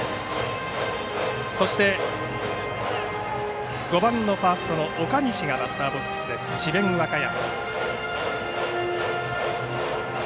そして５番のファーストの岡西がバッターボックス智弁和歌山。